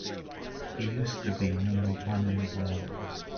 He used to be number one in the world.